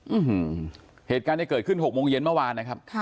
อื้อหือเหตุการณ์ที่เกิดขึ้น๖โมงเย็นเมื่อวานนะครับ